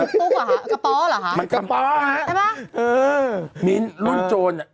พูดกว่าฮะกระป๋อหรอฮะกระป๋อฮะใช่ป่ะเออมีนรุ่นโจรอ่ะ